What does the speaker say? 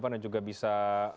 presiden juga bisa